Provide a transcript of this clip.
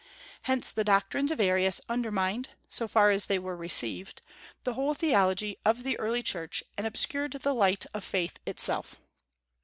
Hence the doctrines of Arius undermined, so far as they were received, the whole theology of the early Church, and obscured the light of faith itself.